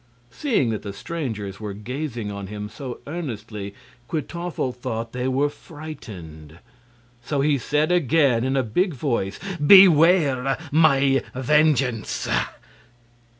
Seeing that the strangers were gazing on him so earnestly, Kwytoffle thought they were frightened; so he said again, in a big voice: "Beware my vengeance!"